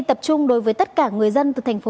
tập trung đối với tất cả người dân từ thành phố